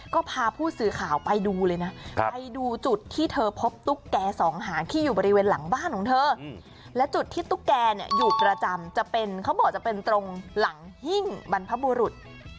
ก็พาผู้สื่อข่าวไปดูเลยนะไปดูจุดที่เธอพบตุ๊กแก่สองหางที่อยู่บริเวณหลังบ้านของเธอและจุดที่ตุ๊กแกเนี่ยอยู่ประจำจะเป็นเขาบอกจะเป็นตรงหลังหิ้งบรรพบุรุษ